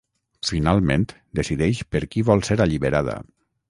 Finalment decideix per qui vol ser alliberada.